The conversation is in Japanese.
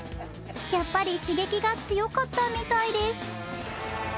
やっぱり刺激が強かったみたいです